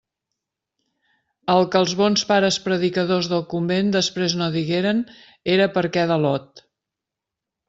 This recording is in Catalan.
El que els bons pares predicadors del convent després no digueren era per què de Lot.